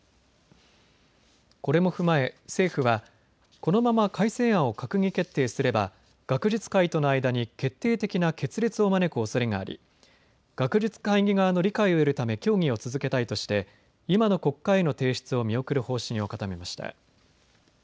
これも踏まえ政府はこのまま改正案を閣議決定すれば学術界との間に決定的な決裂を招くおそれがあり学術会議側の理解を得るため協議を続けたいとして今の国会への提出を見送る方針を固めました。